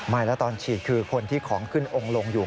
ไม่แล้วตอนฉีดคือคนที่ของขึ้นองค์ลงอยู่